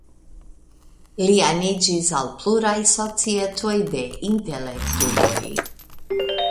Li aniĝis al pluraj societoj de intelektuloj.